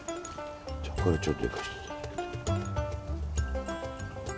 じゃあこれちょっといかして頂いて。